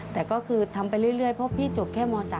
แต่ก็คือทำไปเรื่อยเพราะพี่จบแค่ม๓